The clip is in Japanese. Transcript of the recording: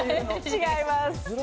違います。